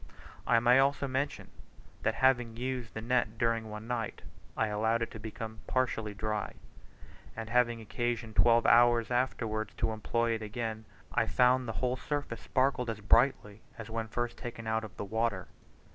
I may also mention, that having used the net during one night, I allowed it to become partially dry, and having occasion twelve hours afterwards to employ it again, I found the whole surface sparkled as brightly as when first taken out of the water.